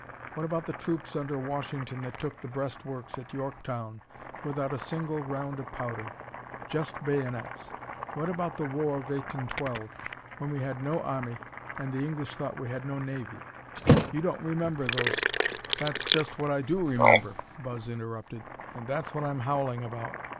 What about the troops under Washington that took the breastworks at Yorktown without a single round of powder just bayonets? What about the war of 1812, when we had no army and the English thought we had no navy? You don't remember those " "That's just what I do remember," Buzz interrupted, "and that's what I'm howling about.